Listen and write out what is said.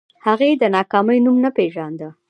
هغې د ناکامۍ نوم نه پېژانده